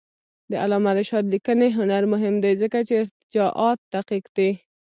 د علامه رشاد لیکنی هنر مهم دی ځکه چې ارجاعات دقیق دي.